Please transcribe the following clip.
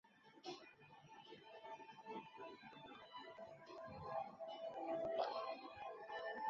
军队招募巴特和米尔豪斯使用阿凡达建立交好的外来种族。